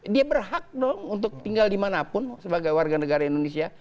dia berhak dong untuk tinggal dimanapun sebagai warga negara indonesia